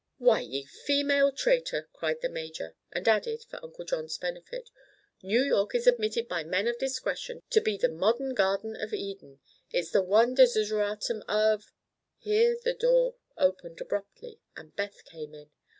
"Why, ye female traitor!" cried the major; and added, for Uncle John's benefit: "New York is admitted by men of discretion to be the modern Garden of Eden. It's the one desideratum of—" Here the door opened abruptly and Beth came in.